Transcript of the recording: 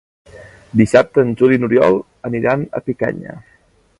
Dissabte en Juli i n'Oriol aniran a Picanya.